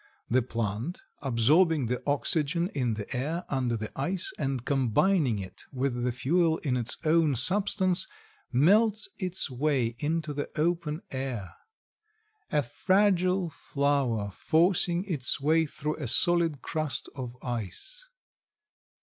The plant, absorbing the oxygen in the air under the ice and combining it with the fuel in its own substance, melts its way into the open air. A fragile flower forcing its way through a solid crust of ice.